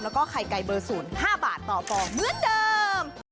แล้วก็ไข่ไก่เบอร์ศูนย์ห้าบาทต่อกิโลกรัมเหมือนเดิม